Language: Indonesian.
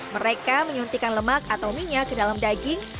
mereka menyuntikan lemak atau minyak ke dalam daging